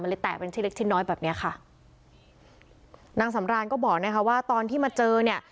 เลยแตะเป็นชิ้นเล็กชิ้นน้อยแบบเนี้ยค่ะนางสำรานก็บอกนะคะว่าตอนที่มาเจอเนี่ย